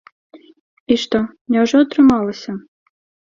І што, няўжо атрымалася?